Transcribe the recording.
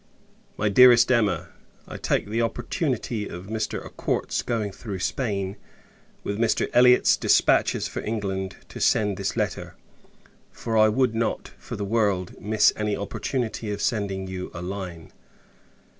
MY DEAREST EMMA, I take the opportunity of Mr. Acourt's going through Spain, with Mr. Elliot's dispatches for England, to send this letter: for I would not, for the world, miss any opportunity of sending you a line.